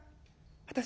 私